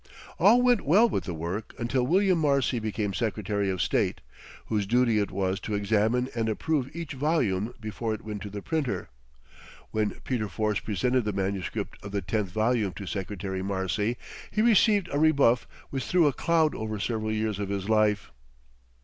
All went well with the work until William Marcy became Secretary of State, whose duty it was to examine and approve each volume before it went to the printer. When Peter Force presented the manuscript of the tenth volume to Secretary Marcy he received a rebuff which threw a cloud over several years of his life.